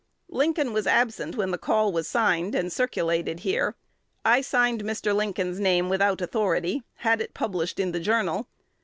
Lincoln was absent when the call was signed, and circulated here. I signed Mr. Lincoln's name without authority; had it published in "The Journal."